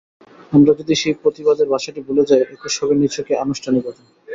আমরা যদি সেই প্রতিবাদের ভাষাটি ভুলে যাই, একুশ হবে নিছকই আনুষ্ঠানিকতা।